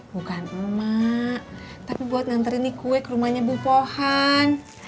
bukan emak tapi buat nganterin nih kue ke rumahnya bu pohan